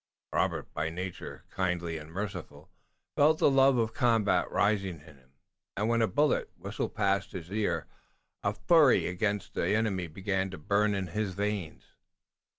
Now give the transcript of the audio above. Robert, by nature kindly and merciful, felt the love of combat rising in him, and when a bullet whistled past his ear a fury against the enemy began to burn in his veins.